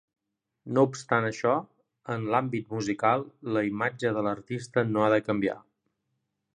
No obstant això, en l'àmbit musical la imatge de l'artista no ha de canviar.